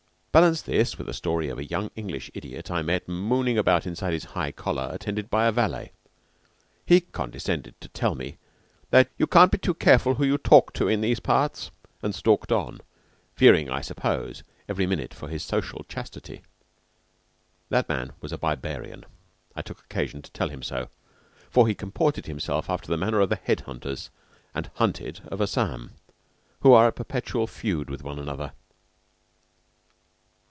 Balance this with a story of a young English idiot I met mooning about inside his high collar, attended by a valet. He condescended to tell me that "you can't be too careful who you talk to in these parts." And stalked on, fearing, I suppose, every minute for his social chastity. That man was a barbarian (I took occasion to tell him so), for he comported himself after the manner of the head hunters and hunted of Assam who are at perpetual feud one with another.